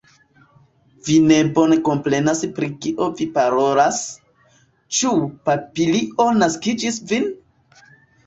Vi ne bone komprenas pri kio vi parolas, ĉu papilio naskis vin?